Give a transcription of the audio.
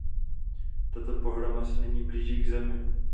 Tato pohroma se nyní blíží k Zemi.